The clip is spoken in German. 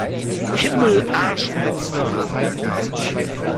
Himmel, Arsch und Zwirn!